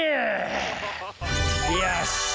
よし！